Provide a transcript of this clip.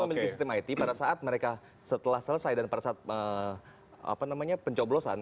memiliki sistem it pada saat mereka setelah selesai dan pada saat pencoblosan